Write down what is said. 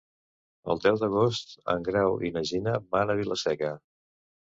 El deu d'agost en Grau i na Gina van a Vila-seca.